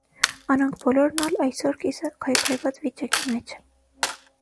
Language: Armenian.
Անոնք բոլորն ալ այսօր կիսաքայքայուած վիճակի մէջ են։